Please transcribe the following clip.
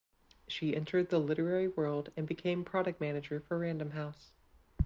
She entered the literary world and became product manager for Random House.